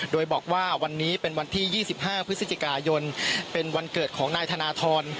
โดยบอกว่าวันนี้เป็นวันที่๒๕พฤศจิกายนเป็นวันเกิดของนายธนทร